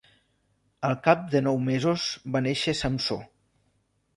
Al cap de nou mesos va néixer Samsó.